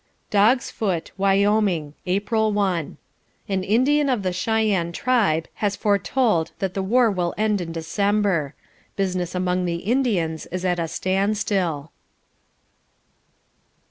Dog's Foot. Wyoming. April 1. An Indian of the Cheyenne tribe has foretold that the war will end in December. Business among the Indians is at a standstill.